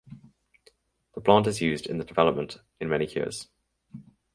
The plant is used in the development in many cures.